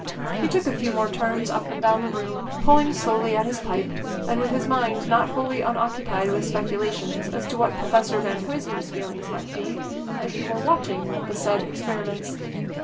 He took a few more turns up and down the room, pulling slowly at his pipe, and with his mind not wholly unoccupied with speculations as to what Professor Van Huysman's feelings might be if he were watching the said experiments.